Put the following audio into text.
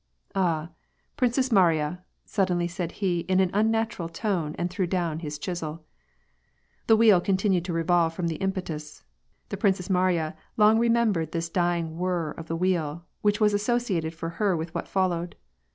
'' Ah ! Princess Mariya," suddenly said he in an unnatural tone and threw down his chisel. The wheel continued to re volve from the impetus. The Princess Mariya long remembered this dying whir of the wheel, which was associated for her with what followed.